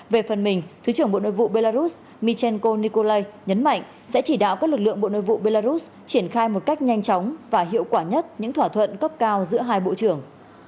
về phần mình thứ trưởng bộ nội vụ belarus michel nikolai nhấn mạnh sẽ chỉ đạo các lực lượng bộ nội vụ belarus triển khai một cách nhanh chóng và hiệu quả nhất những thỏa thuận cấp cao giữa hai bộ trưởng